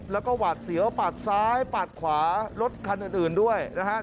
แล้วก็หวาดเสียวปัดซ้ายปาดขวารถคันอื่นด้วยนะครับ